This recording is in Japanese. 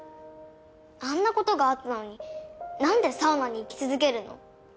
あんなことがあったのになんでサウナに行き続けるの？